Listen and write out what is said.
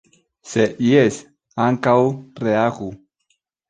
Se jes, ankaŭ reagu.